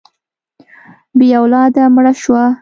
بې اولاده مړه شوه.